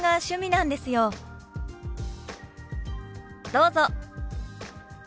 どうぞ。